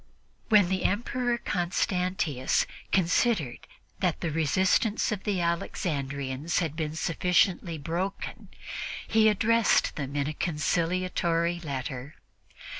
When the Emperor Constantius considered that the resistance of the Alexandrians had been sufficiently broken, he addressed them in a conciliatory letter.